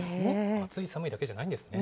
暑い、寒いだけじゃないんですね。